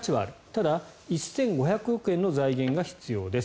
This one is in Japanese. ただ、１５００億円の財源が必要です。